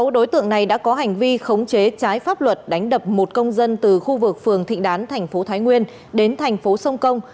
sáu đối tượng này đã có hành vi khống chế trái pháp luật đánh đập một công dân từ khu vực phường thịnh đán thành phố thái nguyên đến thành phố sông công